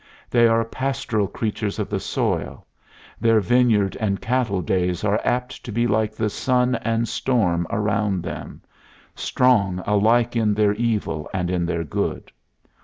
They are pastoral creatures of the soil. Their vineyard and cattle days are apt to be like the sun and storm around them strong alike in their evil and in their good.